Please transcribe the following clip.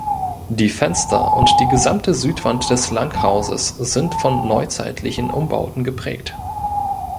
Die Fenster und die gesamte Südwand des Langhauses sind von neuzeitlichen Umbauten geprägt.